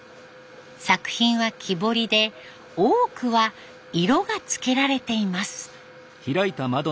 作品は木彫りで多くは色がつけられています。